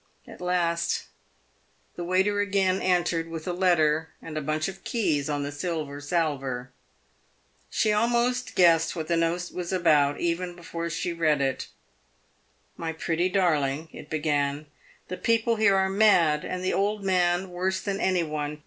At last, the waiter again entered, with a letter and bunch of keys on the silver salver. She almost guessed what the note was about, even before she read it. " My pretty darling," it began, "the people here are mad, and the old man worse than any one.